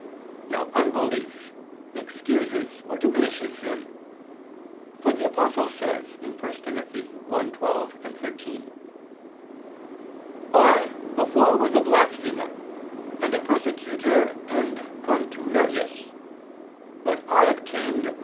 Now unbelief excuses or diminishes sin: for the Apostle says (1 Tim. 1:12, 13): "I ... before was a blasphemer, and a persecutor and contumelious; but I obtained